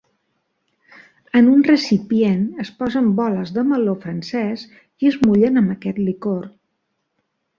En un recipient es posen boles de meló francès i es mullen amb aquest licor.